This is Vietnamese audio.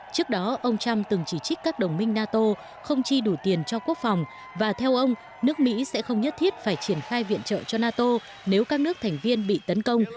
trước đó ông trump từng chỉ trích các đồng minh nato không chi đủ tiền cho quốc phòng và theo ông nước mỹ sẽ không nhất thiết phải triển khai viện trợ cho nato nếu các nước thành viên bị tấn công